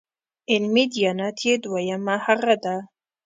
علمي دیانت یې دویمه هغه ده.